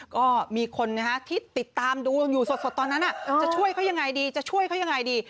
ก็มีคนที่ติดตามดูอยู่สดตอนนั้นจะช่วยเขายังไงดีจะช่วยเขายังไงดี